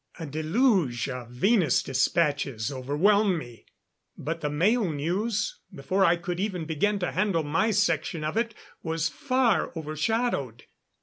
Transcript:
A deluge of Venus despatches overwhelmed me. But the mail news, before I could even begin to handle my section of it, was far overshadowed.